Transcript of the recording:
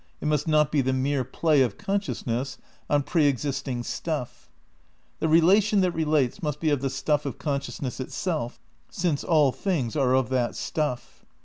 It must not be the mere play of con sciousness on pre existing stuff. The relation that re lates must be of the stuff of consciousness itself; since all things are of that stuff.